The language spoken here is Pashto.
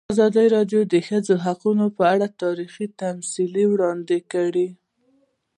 ازادي راډیو د د ښځو حقونه په اړه تاریخي تمثیلونه وړاندې کړي.